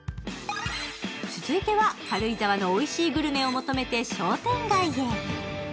続いては、軽井沢のおいしいグルメを求めて商店街へ。